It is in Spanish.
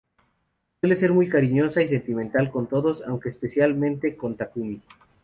Suele ser muy cariñosa y sentimental con todos, aunque especialmente con Takumi.